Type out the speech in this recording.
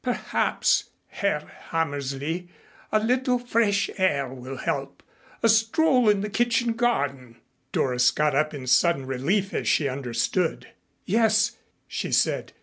"Perhaps, Herr Hammersley, a little fresh air will help. A stroll in the kitchen garden." Doris got up in sudden relief as she understood. "Yes," she said.